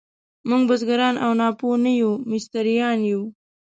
موږ بزګران او ناپوه نه یو، مستریان یو.